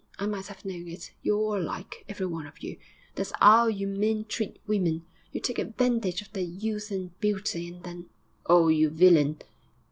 I might have known it, you're all alike, every one of you; that's 'ow you men treat women. You take advantage of their youth and beauty, and then.... Oh, you villain!